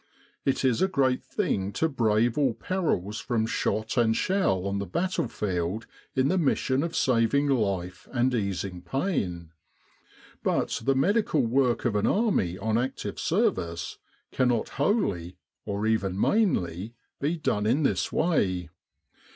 It is a great thing to brave all perils from shot and shell on the battlefield in the mission of saving life and easing pain. But the medical work of an army on active service cannot wholly, or even mainly, be done in this way.